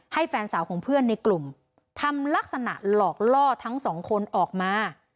แฟนสาวของเพื่อนในกลุ่มทำลักษณะหลอกล่อทั้งสองคนออกมา